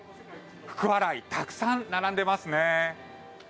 福、笑いたくさん並んでますね。